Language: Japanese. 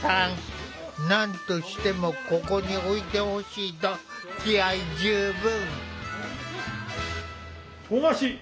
何としてもここに置いてほしいと気合い十分！